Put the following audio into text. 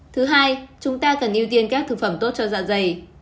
thứ hai chúng ta cần ưu tiên các thực phẩm tốt cho dạ dày